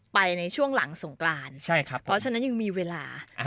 ไปในช่วงหลังสงกรานเพราะฉะนั้นยังมีเวลาใช่ครับ